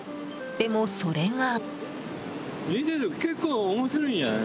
でも、それが。